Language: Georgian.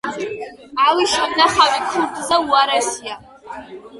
ავი შემნახავი ქურდზე უარესია